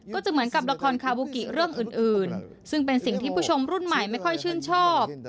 ก็จะเหมือนกับละครคาบูกิเรื่องอื่นซึ่งเป็นสิ่งที่ผู้ชมรุ่นใหม่ไม่ค่อยชื่นชอบ